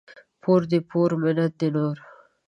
پور دي پور ، منت دي نور.